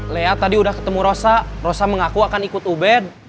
lihat tadi udah ketemu rosa rosa mengaku akan ikut ubed